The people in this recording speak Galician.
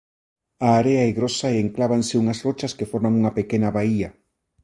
A area é grosa e enclávanse unhas rochas que forman unha pequena baía.